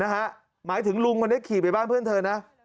หมายถึงลุงคนนี้ขี่ไปบ้านเพื่อนเธอนะ